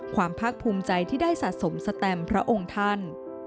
ภาคภูมิใจที่ได้สะสมสแตมพระองค์ท่าน